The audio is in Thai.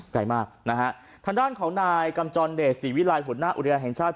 ไกลมากนะฮะทางด้านของนายกำจรเดชศรีวิลัยหัวหน้าอุทยานแห่งชาติ